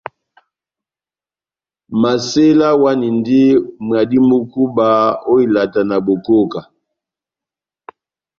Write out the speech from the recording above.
Masela awanindi mwadi mú kúba ó ilata na bokóká.